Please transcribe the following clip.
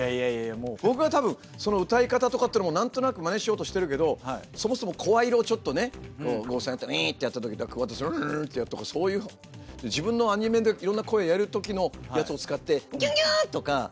僕はたぶんその歌い方とかっていうのも何となくマネしようとしてるけどそもそも声色をちょっとねこう合成だったら「ウイ」ってやって「オワ」ってやるとかそういう自分のアニメでいろんな声やるときのやつを使って「ギュンギュン！」とかね「さかなクンです！」